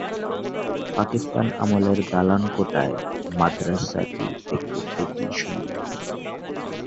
পাকিস্তান আমলের দালান কোটায় মাদরাসাটি দেখতে খুবই সুন্দর।